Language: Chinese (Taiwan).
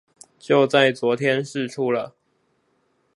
就在昨天釋出了